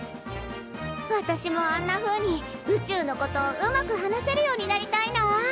私もあんなふうに宇宙のことうまく話せるようになりたいな。